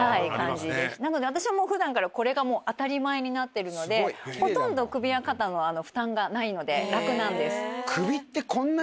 なので私は普段からこれが当たり前になってるのでほとんど首や肩の負担がないので楽なんです。